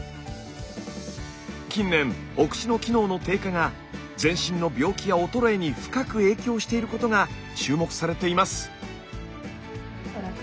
近年お口の機能の低下が全身の病気や衰えに深く影響していることが注目されています。